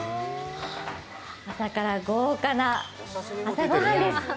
朝から豪華な朝ごはんです。